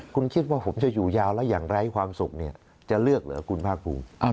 คุณคิดว่าผมจะอยู่ยาวแล้วอย่างไร้ความสุขเนี่ยจะเลือกเหรอคุณภาคภูมิ